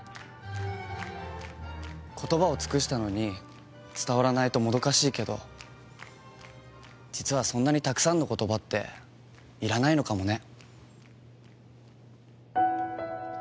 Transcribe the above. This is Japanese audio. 言葉を尽くしたのに伝わらないともどかしいけど実はそんなにたくさんの言葉っていらないのかもね。